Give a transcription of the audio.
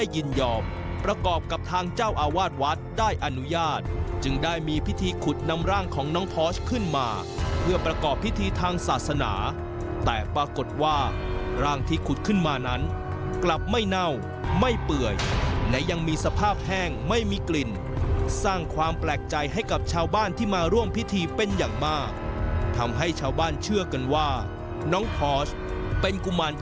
ยินยอมประกอบกับทางเจ้าอาวาสวัดได้อนุญาตจึงได้มีพิธีขุดนำร่างของน้องพอสขึ้นมาเพื่อประกอบพิธีทางศาสนาแต่ปรากฏว่าร่างที่ขุดขึ้นมานั้นกลับไม่เน่าไม่เปื่อยและยังมีสภาพแห้งไม่มีกลิ่นสร้างความแปลกใจให้กับชาวบ้านที่มาร่วมพิธีเป็นอย่างมากทำให้ชาวบ้านเชื่อกันว่าน้องพอสเป็นกุมาร